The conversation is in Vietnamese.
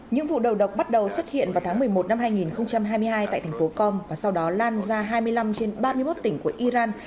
những vụ đầu độc bắt đầu xuất hiện vào tháng một mươi một năm hai nghìn hai mươi hai tại thành phố com và sau đó lan ra hai mươi năm trên ba mươi một tỉnh của iran